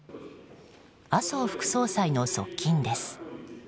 麻生副総裁の側近です。